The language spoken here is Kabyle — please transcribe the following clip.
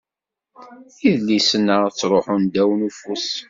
Idlisen-a ttruḥun ddaw n ufus.